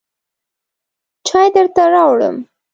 چای درته راوړم.